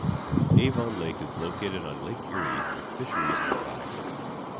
Avon Lake is located on Lake Erie, with fisheries nearby.